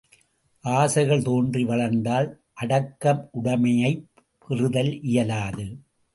ஆசைகள் தோன்றி வளர்ந்தால் அடக்கமுடைமையைப் பெறுதல் இயலாது.